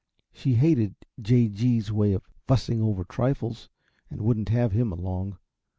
She hated J. G.'s way of fussing over trifles, and wouldn't have him along.